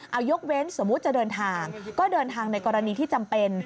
เอายกเว้นสมมุติจะเดินทางก็เดินทางในกรณีที่จำเป็น